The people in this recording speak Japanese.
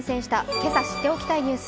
今朝知っておきたいニュース。